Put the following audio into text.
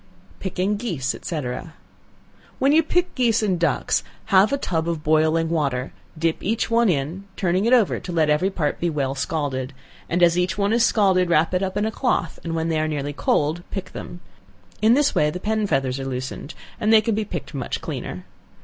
Picking Geese, &c. When you pick geese and ducks, have a tub of boiling water; dip each one in, turning it over to let every part be well scalded, and as each one is scalded, wrap it up in a cloth, and when they are nearly cold, pick them. In this way the pen feathers are loosened, and they can be picked much cleaner.